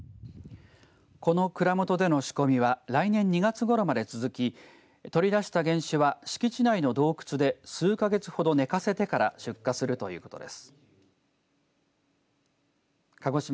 この蔵元での仕込みは来年２月ごろまで続き取り出した原酒は敷地内の洞窟で数か月ほど寝かせてから出荷するということです。